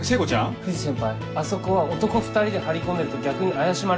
藤先輩あそこは男２人で張り込んでると逆に怪しまれるんです。